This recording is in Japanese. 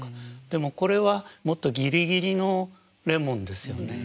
でもこれはもっとギリギリのレモンですよね。